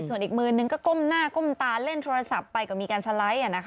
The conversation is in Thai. ส่วนอีกมือนึงก็ก้มหน้าก้มตาเล่นโทรศัพท์ไปก็มีการสไลด์